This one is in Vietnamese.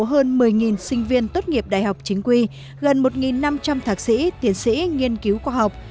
hơn một mươi sinh viên tốt nghiệp đại học chính quy gần một năm trăm linh thạc sĩ tiến sĩ nghiên cứu khoa học